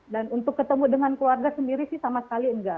dan untuk ketemu dengan keluarga sendiri sih sama sekali nggak